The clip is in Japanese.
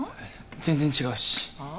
全然違うしはあ？